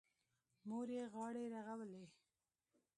مور مې غاړې رغولې.